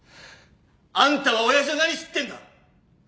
あんたは親父の何知ってんだ！